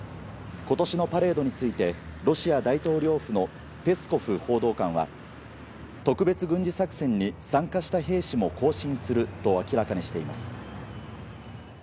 今年のパレードについてロシア大統領府のペスコフ報道官は特別軍事作戦に参加した兵士も行進すると明らかにしています。